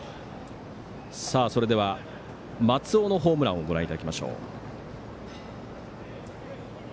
それでは、松尾のホームランご覧いただきましょう。